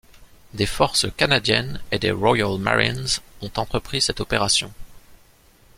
Des forces canadiennes et des Royal Marines ont entrepris cette opération.